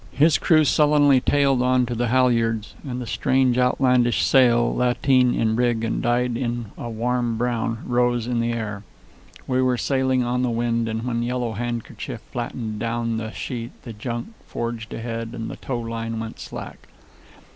His crew sullenly tailed on to the halyards, and the strange, outlandish sail, lateen in rig and dyed a warm brown, rose in the air. We were sailing on the wind, and when Yellow Handkerchief flattened down the sheet the junk forged ahead and the tow line went slack.